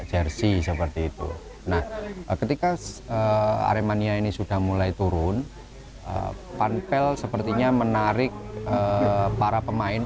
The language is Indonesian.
jersi seperti itu nah ketika aremania ini sudah mulai turun panpel sepertinya menarik para pemain